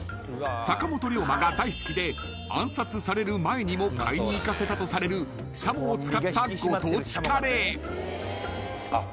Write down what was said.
［坂本龍馬が大好きで暗殺される前にも買いに行かせたとされるシャモを使ったご当地カレー］あっ。